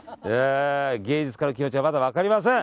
芸術家の気持ちはまだ分かりません。